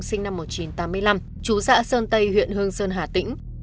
sinh năm một nghìn chín trăm tám mươi năm chú xã sơn tây huyện hương sơn hà tĩnh